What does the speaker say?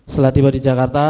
setelah tiba di jakarta